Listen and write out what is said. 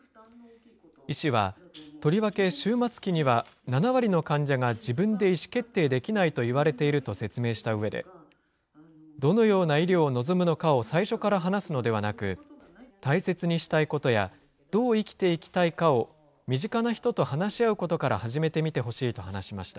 医師は、とりわけ終末期には、７割の患者が自分で意思決定できないといわれていると説明したうえで、どのような医療を望むのかを最初から話すのではなく、大切にしたいことや、どう生きていきたいかを、身近な人と話し合うことから始めてみてほしいと話しました。